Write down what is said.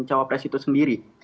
cawapres itu sendiri